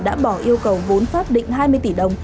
đã bỏ yêu cầu vốn pháp định hai mươi tỷ đồng